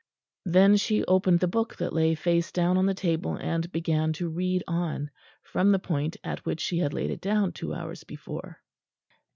Then she opened the book that lay face down on the table and began to read on, from the point at which she had laid it down two hours before.